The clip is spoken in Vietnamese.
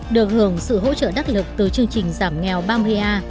được hưởng sự hỗ trợ đắc lực từ chương trình giảm nghèo ba mươi a